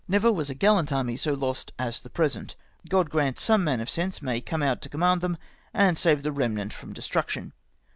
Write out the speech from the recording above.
Never was a gallant army so lost as the present. God grant some man of sense may come out to command them, and save the remnant from destruction.